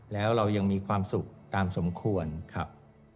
แล้วเรายังมีความสุขตามสมควรครับ